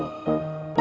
nggak ada apa apa